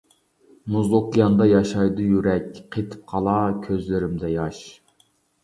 مۇز ئوكياندا ياشايدۇ يۈرەك، قېتىپ قالار كۆزلىرىمدە ياش.